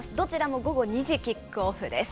どちらも午後２時キックオフです。